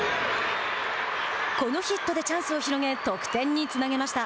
このヒットでチャンスを広げ得点につなげました。